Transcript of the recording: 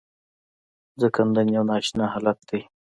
ځنکدن یو نا اشنا حالت دی .